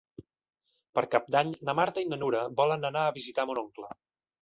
Per Cap d'Any na Marta i na Nura volen anar a visitar mon oncle.